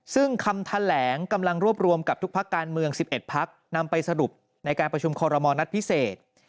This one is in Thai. ซึ่งคำแถลงกำลังรวบรวมกับทุกพักการเมือง๑๑พักนำไปสรุปในการประชุมคอรมณ์นัดพิเศษ